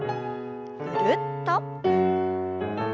ぐるっと。